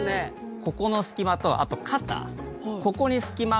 ここの隙間とあと肩。